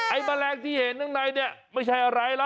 ไอ้แมลงที่เห็นด้านในไม่ใช่อะไรหรอก